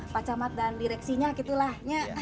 pak camat dan direksinya gitu lah